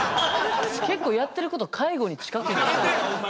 結構やってること介護に近くないっすか。